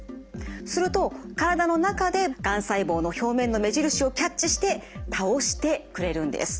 すると体の中でがん細胞の表面の目印をキャッチして倒してくれるんです。